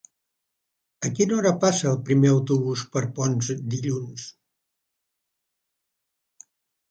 A quina hora passa el primer autobús per Ponts dilluns?